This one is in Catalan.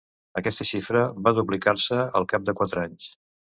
Aquesta xifra va duplicar-se al cap de quatre anys.